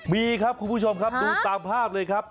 มีครับคุณผู้ชมครับดูตามภาพเลยครับ